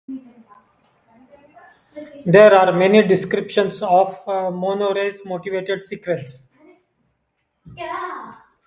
There are many descriptions of Monroe's motivated sequence.